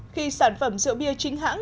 khi sản phẩm rượu bia chính hãng